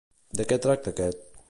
De què tracta aquest?